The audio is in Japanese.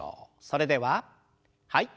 それでははい。